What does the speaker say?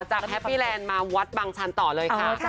แฮปปี้แลนด์มาวัดบางชันต่อเลยค่ะ